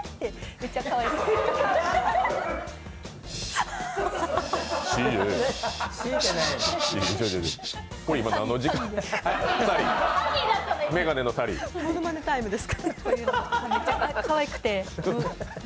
めっちゃかわいくて。